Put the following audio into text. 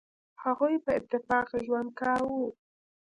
هغوی په اتفاق ژوند کاوه.